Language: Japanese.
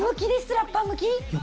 ラッパー向き？